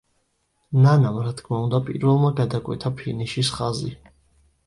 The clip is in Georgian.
ნანამ რა თქმა უნდა პირველმა გადაკვეთა ფინიშის ხაზი.